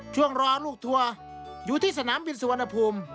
ช่วงรอลูกทัวร์อยู่ที่สนามบินสุวรรณภูมิ